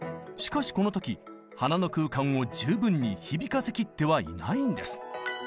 しかしこの時鼻の空間を十分に響かせきってはいないんです。